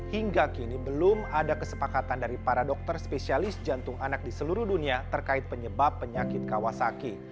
hingga kini belum ada kesepakatan dari para dokter spesialis jantung anak di seluruh dunia terkait penyebab penyakit kawasaki